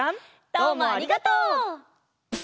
どうもありがとう！